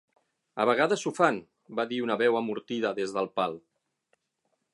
"A vegades ho fan", va dir una veu amortida des del pal.